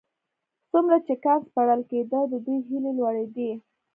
څومره چې کان سپړل کېده د دوی هيلې لوړېدې.